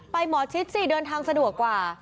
ไปหมอทิศซี่เดินทางสะดวกกว่า